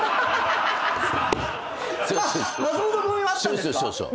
そうそうそうそう。